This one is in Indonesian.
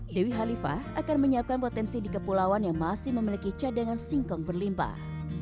dewi halifah akan menyiapkan potensi di kepulauan yang masih memiliki cadangan singkong berlimpah